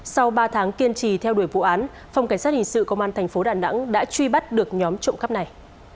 sau ba tháng kiên trì theo đuổi vụ án phòng cảnh sát hình sự công an tp đà nẵng đã truy bắt được nhóm trộn khắp nạn